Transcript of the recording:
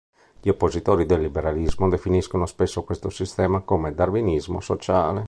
Gli oppositori del liberalismo definiscono spesso questo sistema come darwinismo sociale.